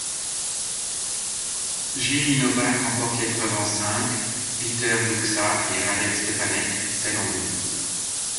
Jiří Novák remporte l'épreuve en simple, Petr Luxa et Radek Štěpánek celle en double.